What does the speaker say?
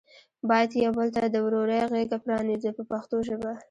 باید یو بل ته د ورورۍ غېږه پرانیزو په پښتو ژبه.